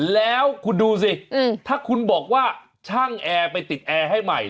แล้วคุณดูสิถ้าคุณบอกว่าช่างแอร์ไปติดแอร์ให้ใหม่